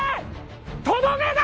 とどめだ‼